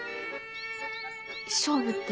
勝負って？